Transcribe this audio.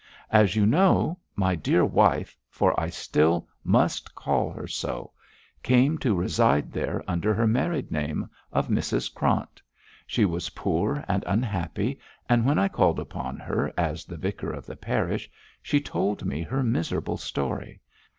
As you know, my dear wife for I still must call her so came to reside there under her married name of Mrs Krant. She was poor and unhappy, and when I called upon her, as the vicar of the parish, she told me her miserable story.